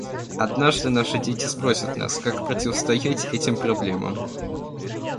Однажды наши дети спросят нас, как противостоять этим проблемам.